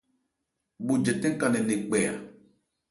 Bho jɛtɛn ka nkɛ nne kpɛ.